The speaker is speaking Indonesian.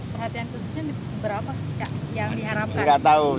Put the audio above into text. perhatian khususnya berapa cak yang diharapkan